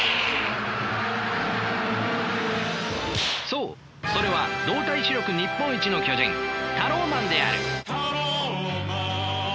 そうそれは動体視力日本一の巨人タローマンである。